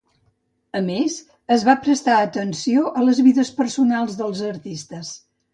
A més, es va prestar atenció a les vides personals dels artistes.